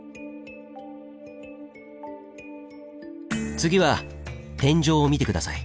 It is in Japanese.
次は天井を見て下さい。